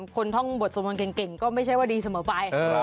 ท่องบทสวดมนต์เก่งก็ไม่ใช่ว่าดีเสมอไป